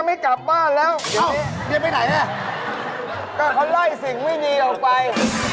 เมียน่าจะอยู่มีมันน่าจะไป